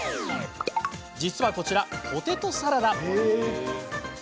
実は、こちらポテトサラダ。